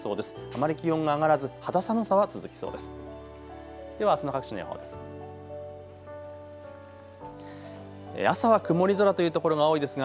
あまり気温が上がらず肌寒さは続きそうです。